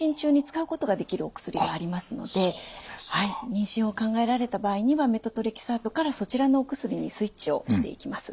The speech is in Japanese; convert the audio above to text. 妊娠を考えられた場合にはメトトレキサートからそちらのお薬にスイッチをしていきます。